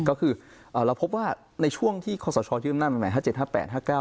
ก็คือเราพบว่าในช่วงที่คสชยืมนั่นห้า๗ห้า๘ห้า๙